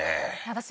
私